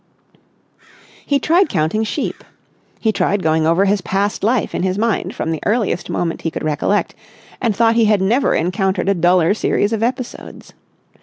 He tried counting sheep. He tried going over his past life in his mind from the earliest moment he could recollect, and thought he had never encountered a duller series of episodes.